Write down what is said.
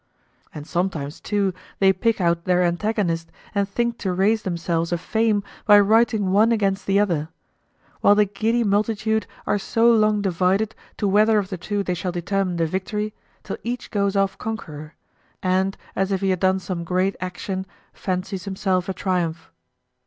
And sometimes too they pick out their antagonist and think to raise themselves a fame by writing one against the other; while the giddy multitude are so long divided to whether of the two they shall determine the victory, till each goes off conqueror, and, as if he had done some great action, fancies himself a triumph.